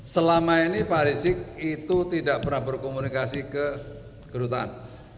selama ini pak rizik itu tidak pernah berkomunikasi ke kedutaan